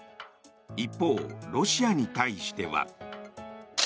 一方、ロシアに対しては。